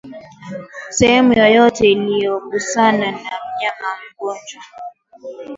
sehemu yoyote iliyogusana na mnyama mgonjwa